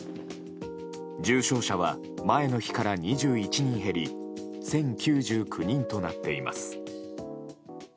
重症者は前の日から２１人減り１０９９人となっています。